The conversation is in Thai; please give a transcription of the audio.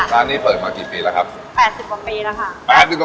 ร้านนี้เปิดมากี่ปีแล้วครับ๘๐กว่าปีแล้วค่ะ